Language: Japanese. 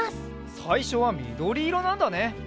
さいしょはみどりいろなんだね。